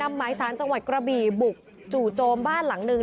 หมายสารจังหวัดกระบี่บุกจู่โจมบ้านหลังหนึ่ง